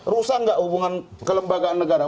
rusak nggak hubungan kelembagaan negara